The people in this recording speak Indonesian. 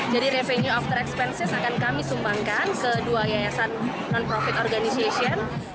jadi revenue after expenses akan kami sumbangkan ke dua yayasan non profit organization